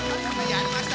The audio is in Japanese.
やりました！